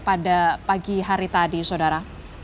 pada pagi hari tadi saudara